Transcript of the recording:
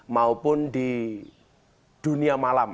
maupun di dunia malam